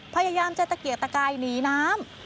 พยายามเจ็ดเกียร์กร้ามต่อกายหนีน้ำ